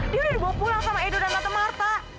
dia udah dibawa pulang sama edo dan ratu marta